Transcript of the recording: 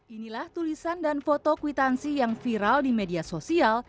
inilah tulisan dan foto kwitansi yang viral di media sosial